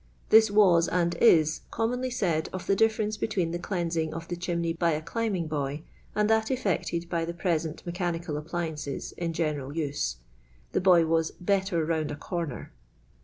This was and is commonly said of the difference between the cleansing of the chimney by a ciimbing boy and that elfected by the prc sent mechanicai appliances in general use — the boy was " better round a corner."